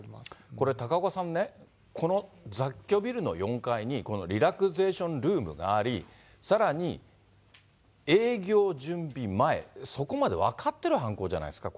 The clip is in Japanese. これ、高岡さんね、この雑居ビルの４階に、このリラクゼーションルームがあり、さらに営業準備前、そこまで分かってる犯行じゃないですか？